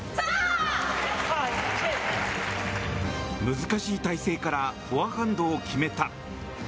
難しい体勢からフォアハンドを決めた。